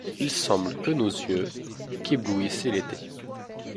Il semble que nos yeux, qu'éblouissait l'été